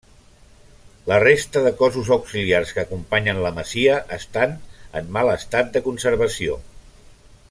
La resta de cossos auxiliars que acompanyen la masia estan en mal estat de conservació.